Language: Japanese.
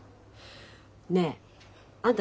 ねえあんた